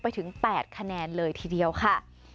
ไปถึง๘คะแนนเลยทีเดียวค่ะ